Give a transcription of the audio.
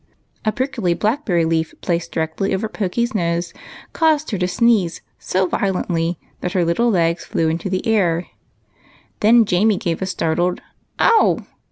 A prickly blackberry leaf placed directly over Pokey's nose caused her to sneeze so violently that her little legs flew into the air ; Jamie gave a startled " Ow